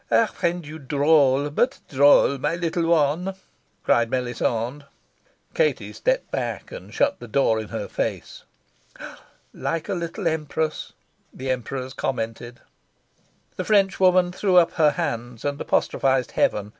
"I find you droll, but droll, my little one!" cried Melisande. Katie stepped back and shut the door in her face. "Like a little Empress," the Emperors commented. The Frenchwoman threw up her hands and apostrophised heaven.